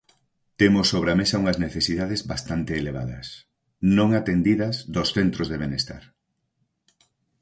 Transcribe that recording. Temos sobre a mesa unhas necesidades bastante elevadas, non atendidas, dos centros de benestar.